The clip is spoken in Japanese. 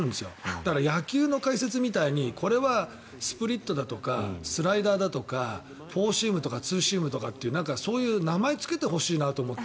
だから、野球の解説みたいにこれはスプリットだとかスライダーだとかフォーシームとかツーシームっていうそういう名前をつけてほしいなと思って。